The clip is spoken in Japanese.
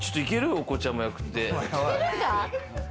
お子ちゃま役って。